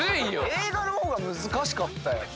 映画の方が難しかったよ。